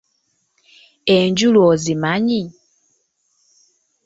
Enjulu ozimanyi?